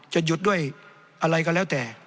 จะหยุดด้วยอะไรก็แล้วแต่